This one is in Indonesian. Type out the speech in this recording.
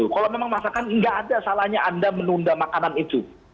kalau memang masakan nggak ada salahnya anda menunda makanan itu